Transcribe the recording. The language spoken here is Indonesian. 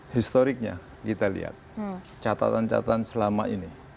historiknya kita lihat catatan catatan selama ini